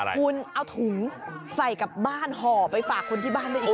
คุณเอาถุงใส่กับบ้านห่อไปฝากคนที่บ้านได้อีก